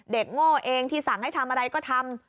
โง่เองที่สั่งให้ทำอะไรก็ทำ